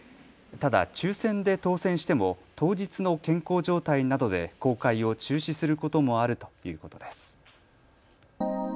ただ抽せんで当選しても当日の健康状態などで公開を中止することもあるということです。